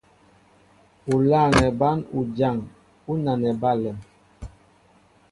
U lâŋɛ bán ujaŋ ú nanɛ ba alɛm.